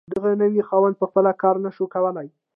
دغه نوي خاوندان په خپله کار نشو کولی.